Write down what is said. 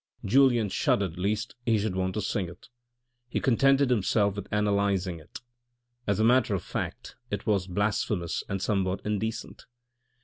Julien shuddered lest he should want to sing it. He con tented himself with analysing it. As a matter of fact, it was blasphemous and somewhat indecent.